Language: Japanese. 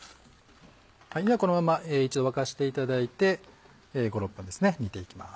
ではこのまま一度沸かしていただいて５６分ですね煮ていきます。